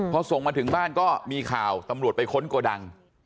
พอส่งมาถึงบ้านก็มีข่าวตำรวจไปค้นโกดัง